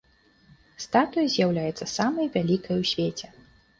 Статуя з'яўляецца самай вялікай у свеце.